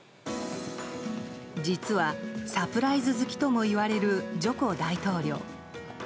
実はサプライズ好きともいわれるジョコ大統領。